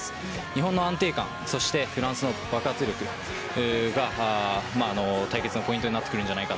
日本の安定感そしてフランスの爆発力が対決のポイントになると思います。